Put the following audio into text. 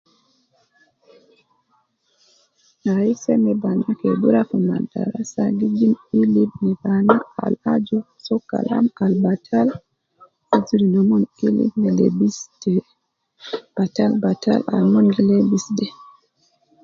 Ai seme bana ke gi rua fi madarasa gi jib ilim fi bana al aju soo Kalam al batal, aju binia gi lim me lebisi ta batal batal al mon gi lebisi de